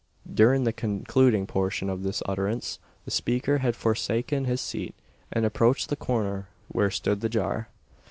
During the concluding portion of this utterance, the speaker had forsaken his seat, and approached the corner where stood the jar.